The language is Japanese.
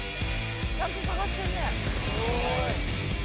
ちゃんと探してるね。